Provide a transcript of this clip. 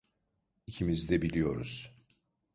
İkimiz de biliyoruz.